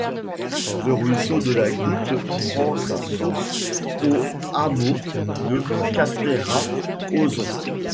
Le ruisseau de la Goute prend sa source au hameau de Castéra-Ozon.